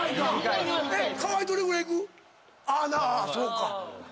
あそうか。